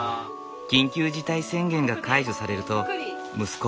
緊急事態宣言が解除されると息子